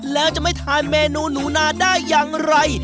แล้วจะไม่ทานเมนูหนูนาได้อย่างไร